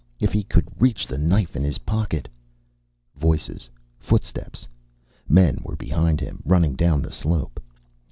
If he could reach the knife in his pocket Voices. Footsteps. Men were behind him, running down the slope.